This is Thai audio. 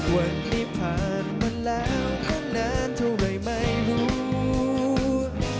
วันที่ผ่านมาแล้วตั้งนานเท่าไหร่ไม่รู้